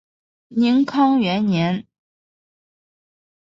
宁康元年。